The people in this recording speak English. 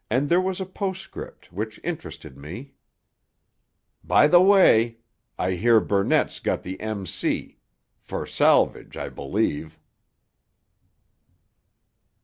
And there was a postscript which interested me: '_By the way, I hear Burnett's got the M.C. for Salvage, I believe!